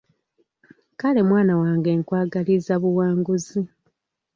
Kale mwana wange nkwagaliza buwanguzi!